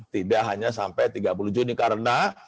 tidak hanya sampai tiga puluh juni karena